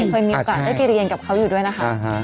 อ่าใช่ค่อยมีโอกาสได้ไปเรียนกับเขาอยู่ด้วยนะคะอ่าฮะ